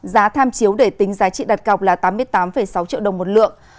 giá tham chiếu để tính giá trị đặt cọc là tám mươi tám sáu triệu đồng một lượng